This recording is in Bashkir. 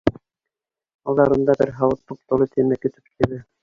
Алдарында бер һауыт туп-тулы тәмәке төпсөгө.